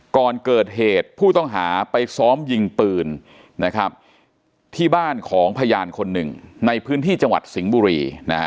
ก่อนเกิดเหตุผู้ต้องหาไปซ้อมยิงปืนที่บ้านของพยานคนหนึ่งในพื้นที่จังหวัดสิงห์บุรี